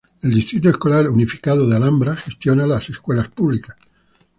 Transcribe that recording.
El Distrito Escolar Unificado de Alhambra gestiona las escuelas públicas.